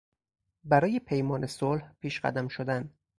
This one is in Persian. برای پیمان صلح پیشقدم شدن